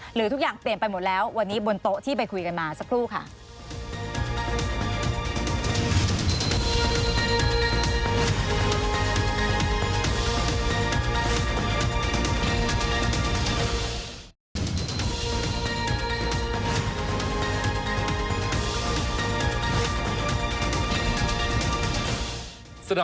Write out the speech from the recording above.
หรือทุกอย่างเปลี่ยนไปหมดแล้ววันนี้บนโต๊ะที่ไปคุยกันมาสักครู่ค่ะ